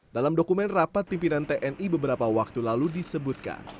dalam dokumen rapat pimpinan tni beberapa waktu lalu disebutkan